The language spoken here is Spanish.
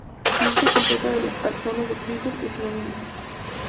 Lista completa de los taxones descritos y sinónimos.